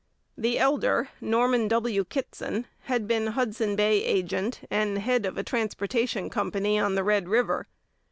The elder, Norman W. Kittson, had been Hudson Bay agent and head of a transportation company on the Red River.